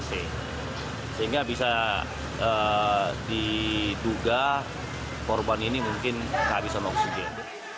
sehingga bisa diduga korban ini mungkin kehabisan oksigen